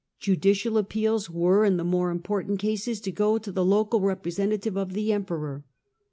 Judicial appeals were, in the more important cases, to go to the local representative of the Emperor.